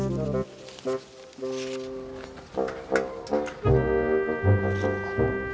berianguarda pulang deh